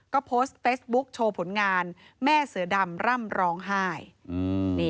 ก็โพสต์เฟซบุ๊คโชว์ผลงานแม่เสือดำร่ำร้องไห้